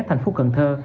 thành phố cần thơ